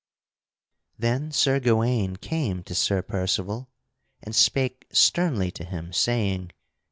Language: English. Then Sir Gawaine came to Sir Percival and spake sternly to him saying.